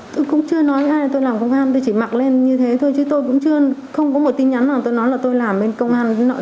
tôi cũng chưa nói với ai tôi làm công an tôi chỉ mặc lên như thế thôi chứ tôi cũng chưa không có một tin nhắn nào tôi nói là tôi làm bên công an với nội thi kỷ ạ